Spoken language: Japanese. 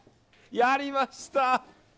やりました！